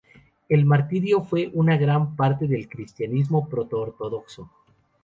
El martirio fue una gran parte del cristianismo proto-ortodoxo.